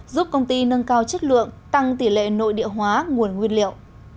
giúp công ty nâng cao chất lượng tăng tỷ lệ nội địa hóa nguồn nguyên liệu